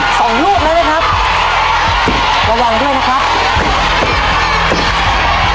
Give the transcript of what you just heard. สองลูกแล้วนะครับระวังด้วยนะครับ